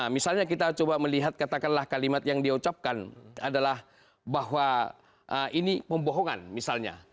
misalnya kita coba melihat katakanlah kalimat yang diucapkan adalah bahwa ini pembohongan misalnya